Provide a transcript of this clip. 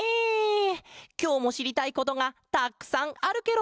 きょうもしりたいことがたくさんあるケロ！